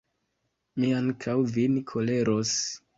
Mi ankaŭ vin koleros.